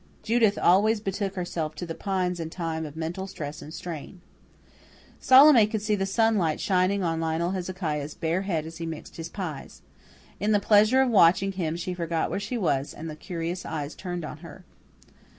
Judith always betook herself to the pines in time of mental stress and strain. Salome could see the sunlight shining on Lionel Hezekiah's bare head as he mixed his pies. In the pleasure of watching him she forgot where she was and the curious eyes turned on her.